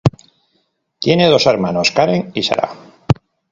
Tiene dos hermanas, Karen y Sarah.